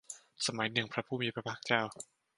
สมัยหนึ่งพระผู้มีพระภาคเจ้า